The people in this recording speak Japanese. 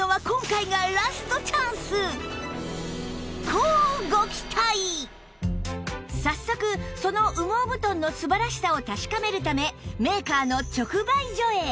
そう早速その羽毛布団の素晴らしさを確かめるためメーカーの直売所へ